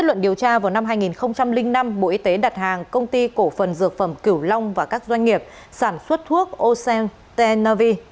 từ năm hai nghìn năm bộ y tế đặt hàng công ty cổ phần dược phẩm cửu long và các doanh nghiệp sản xuất thuốc ocentenavi